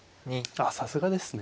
ああさすがですね。